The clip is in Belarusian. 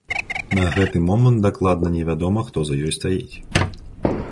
На гэты момант дакладна не вядома, хто за ёй стаіць.